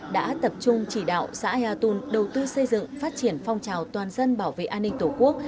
đã tập trung chỉ đạo xã ea tôn đầu tư xây dựng phát triển phong trào toàn dân bảo vệ an ninh tổ quốc